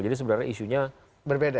jadi sebenarnya isunya berbeda